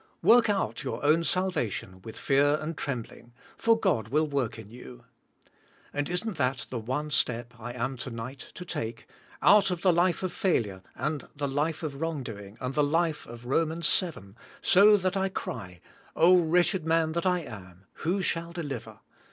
"Work out your own salvation with fear and trembling ," for God will work in you. And isn't that the one step I am to nig ht to take, out of the life of failure and the life of wrong doing and the life of Romans, seven, so that I cry, "O wretched man that I am, who shall deliver?"